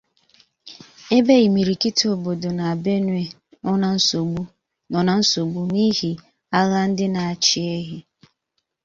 ebe imirikiti obodo na Benue nọ na nsogbu n’ihi agha ndị na-achị ehi